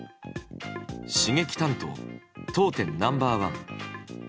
刺激担当、当店ナンバー１。